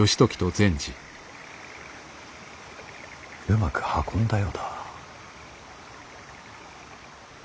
うまく運んだようだ。